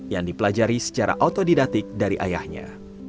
yang dipelajari secara otodidatik dari ayahnya